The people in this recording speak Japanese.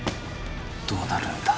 どうなるんだ？